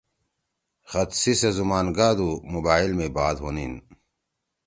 خط سی سے زُمان گادُو موبائل می بات ہونیِن